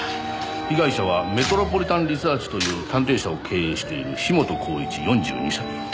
被害者はメトロポリタン・リサーチという探偵社を経営している樋本晃一４２歳。